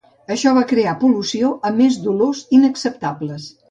Això va crear pol·lució, a més d'olors inacceptables.